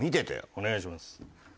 お願いします。